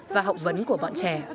và học vấn của bọn trẻ